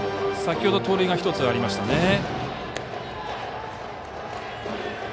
先ほど盗塁が１つありましたね。